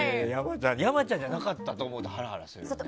山ちゃんじゃなかったらと思うとハラハラするね。